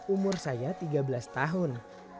umur saya tiga belas tahun